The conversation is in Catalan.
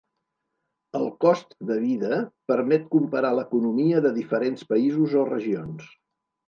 El cost de vida permet comparar l'economia de diferents països o regions.